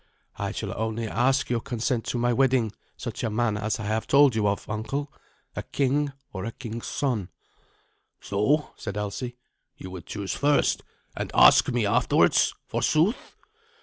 "I shall only ask your consent to my wedding such a man as I have told you of, uncle a king or a king's son." "So," said Alsi, "you would choose first, and ask me afterwards, forsooth!